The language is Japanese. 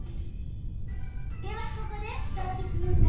では、ここでサービス問題。